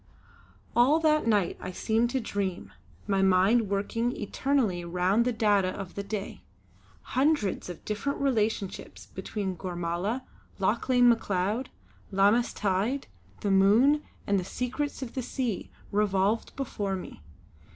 All that night I seemed to dream, my mind working eternally round the data of the day; hundreds of different relationships between Gormala, Lauchlane Macleod, Lammas tide, the moon and the secrets of the sea revolved before me.